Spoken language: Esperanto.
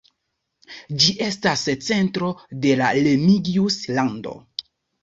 Ĝi estas centro de la Remigius-lando.